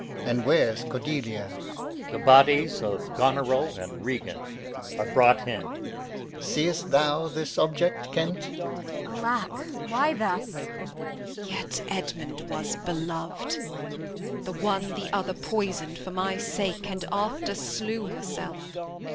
and where's Cordelia? The bodies of Goneril and Regan are brought in. Seest thou this object, Kent? Kent. Alack, why thus? Edm. Yet Edmund was belov'd. The one the other poisoned for my sake, And after slew herself.